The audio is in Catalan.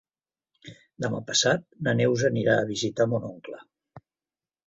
Demà passat na Neus anirà a visitar mon oncle.